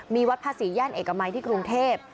มีวัดพระศรีงเอเกมไวกมัชที่กรุงเทพ